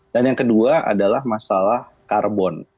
dan yang kedua adalah masalah karbon